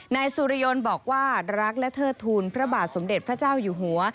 นายสุริยนต์บอกว่ารักและเทิดทูลพระบาทสมเด็จพระเจ้าอยู่หัว